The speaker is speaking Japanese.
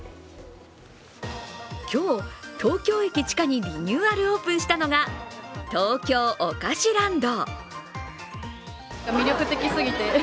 今日、東京駅地下にリニューアルオープンしたのが東京おかしランド。